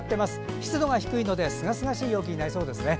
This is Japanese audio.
湿度が低いのですがすがしい陽気になりそうですね。